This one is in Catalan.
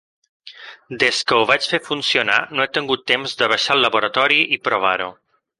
Des que ho vaig fer funcionar no he tingut temps de baixar al laboratori i provar-ho.